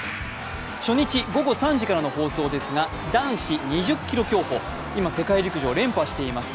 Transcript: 初日午後３時からの放送ですが男子２０ｋｍ競歩、今世界陸上連覇しています